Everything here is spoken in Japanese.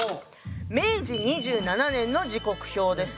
明治２７年の時刻表です。